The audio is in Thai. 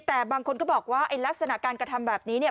แต่บางคนก็บอกว่าไอ้ลักษณะการกระทำแบบนี้เนี่ย